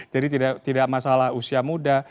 jadi tidak masalah usia muda